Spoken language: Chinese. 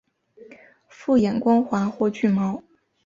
复眼光滑或具毛。